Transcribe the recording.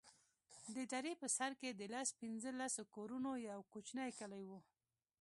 د درې په سر کښې د لس پينځه لسو کورونو يو کوچنى کلى و.